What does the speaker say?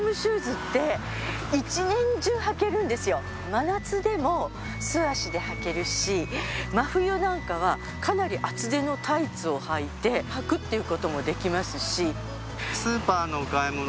真夏でも素足で履けるし真冬なんかはかなり厚手のタイツをはいて履くっていう事もできますし。